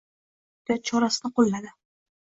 Qamoqqa olish ehtiyot chorasini qoʻlladi